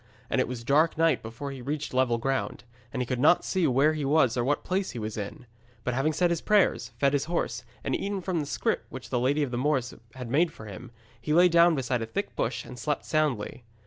And it was dark night before he reached level ground, and he could not see where he was or what place he was in. But having said his prayers, fed his horse, and eaten from the scrip which the Lady of the Moors had made up for him, he lay down beside a thick bush and slept soundly.